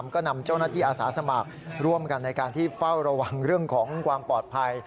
ก็นำเจ้าหน้าที่อาสาสมัครร่วมกันในการที่เฝ้าระวังเรื่องของความปลอดภัย